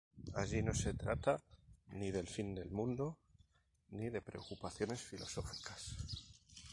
Allí no se trata ni del fin del mundo, ni de preocupaciones filosóficas.